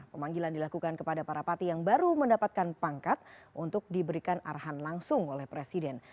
pemanggilan dilakukan kepada para pati yang baru mendapatkan pangkat untuk diberikan arahan langsung oleh presiden